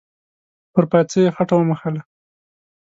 پر پايڅه يې خټه و موښله.